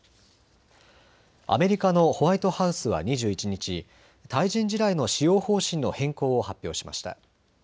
アメリカのホワイトハウスは２１日、対人地雷の使用方針の変更を発表しました。